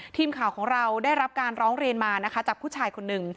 ทีมข่าวของเราได้รับการร้องเรียนมานะคะจากผู้ชายคนหนึ่ง